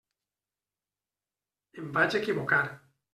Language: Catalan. Em vaig equivocar.